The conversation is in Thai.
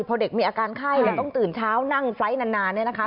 พอเด็กมีอาการไข้แล้วต้องตื่นเช้านั่งไฟล์นานเนี่ยนะคะ